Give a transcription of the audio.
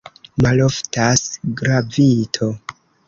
Malfortas gravito!